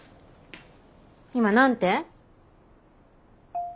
今何て？